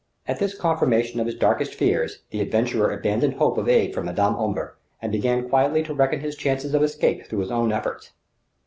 At this confirmation of his darkest fears, the adventurer abandoned hope of aid from Madame Omber and began quietly to reckon his chances of escape through his own efforts.